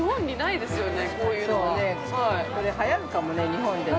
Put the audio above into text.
これはやるかもね、日本でも。